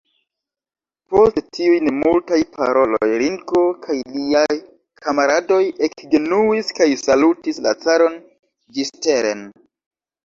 Post tiuj nemultaj paroloj Ringo kaj liaj kamaradoj ekgenuis kaj salutis la caron ĝisteren.